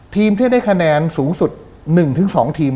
ทีมที่ได้คะแนนสูงสุด๑๒ทีม